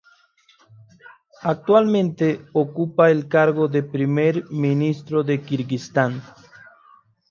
Actualmente ocupa el cargo de Primer Ministro de Kirguistán.